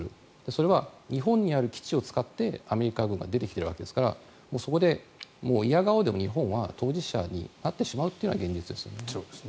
それは日本にある基地を使ってアメリカ軍が出てきているわけですからそこで否が応でも日本は当事者になってしまうというのが現実ですよね。